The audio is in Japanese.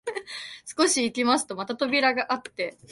少し行きますとまた扉があって、